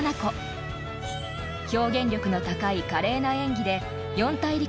［表現力の高い華麗な演技で］